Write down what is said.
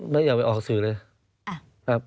ไม่อยากไปออกสื่อเลย